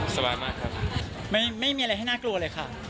สบายมากครับไม่มีอะไรให้น่ากลัวเลยค่ะ